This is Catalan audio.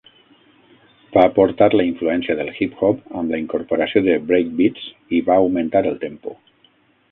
Va aportar la influència del hip-hop amb la incorporació de breakbeats i va augmentar el tempo.